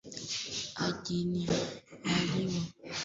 lakini aliandika Injili yaani taarifa juu ya maisha na mafundisho yake